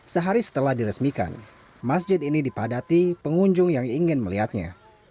sehari setelah diresmikan masjid ini dipadati pengunjung yang ingin melihatnya